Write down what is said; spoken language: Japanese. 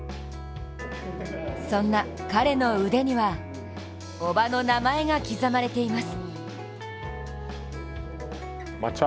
そんな彼の腕には叔母の名前が刻まれています。